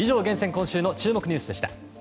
今週の注目ニュースでした。